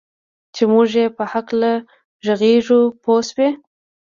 چې موږ یې په هکله ږغېږو پوه شوې!.